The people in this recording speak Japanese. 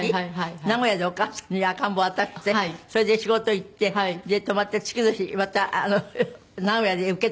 名古屋でお母さんに赤ん坊渡してそれで仕事行って泊まって次の日また名古屋で受け取ってきて。